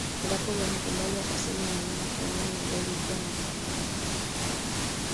Jacob alikubali akasema ameenda kuonana na Debby pia na kuongea nae